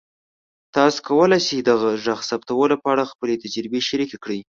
تاسو کولی شئ د غږ ثبتولو په اړه خپلې تجربې شریکې کړئ.